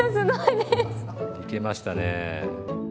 いけましたね。